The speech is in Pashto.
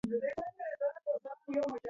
اوس به لاس په خپل سر تېروم.